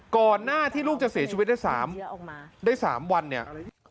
ก่อนหน้าที่ลูกจะเสียชีวิตได้๓วันเนี่ย